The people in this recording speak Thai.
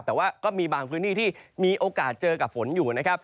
แต่ว่าก็มีบางพื้นที่ที่มีโอกาสเจอกับฝนอยู่นะครับ